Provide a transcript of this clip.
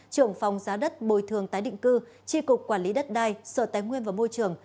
trưởng phòng giá đất bồi thường tái định cư tri cục quản lý đất đai sở tài nguyên và môi trường